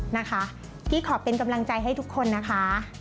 นะคะพี่ขอเป็นกำลังใจให้ทุกคนนะคะ